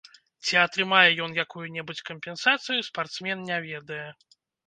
Ці атрымае ён якую-небудзь кампенсацыю, спартсмен не ведае.